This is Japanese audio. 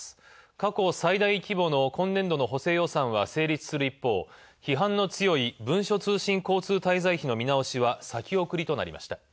過去最大規模の今年度の補正予算が成立する一方、批判の強い、文書通信交通滞在費の見直しは先送りとなりました。